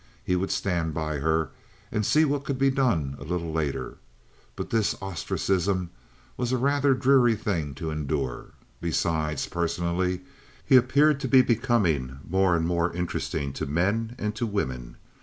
He would stand by her and see what could be done a little later; but this ostracism was a rather dreary thing to endure. Besides, personally, he appeared to be becoming more and more interesting to men and to women.